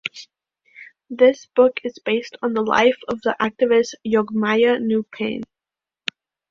This book is based on the life of the activist Yogmaya Neupane.